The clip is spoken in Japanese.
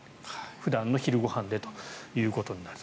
普段の昼ご飯でということになると。